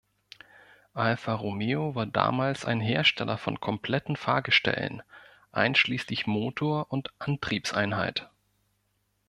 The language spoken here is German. Alfa Romeo war damals ein Hersteller von kompletten Fahrgestellen einschließlich Motor und Antriebseinheit.